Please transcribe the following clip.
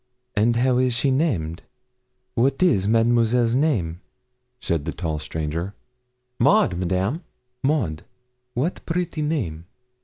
'And how is she named what is Mademoiselle's name?' said the tall stranger. 'Maud, Madame.' 'Maud! what pretty name!